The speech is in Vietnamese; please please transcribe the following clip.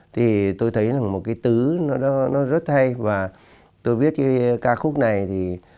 thì tôi thấy rằng một cái tứ nó rất hay và tôi viết cái ca khúc này thì